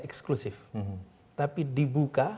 eksklusif tapi dibuka